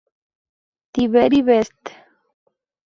The Very Best...